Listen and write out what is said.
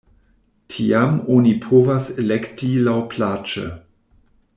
Tiam oni povas elekti laŭplaĉe.